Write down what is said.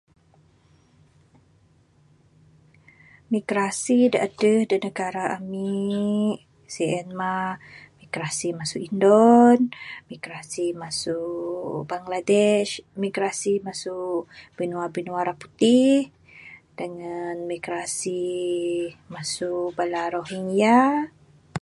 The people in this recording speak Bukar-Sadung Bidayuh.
Migrasi da aduh da negara ami', sien mah migrasi masu Indon, migrasi masu Bangladesh, migrasi masu binua binua ra putih dengan migrasi masu bala Roghinya.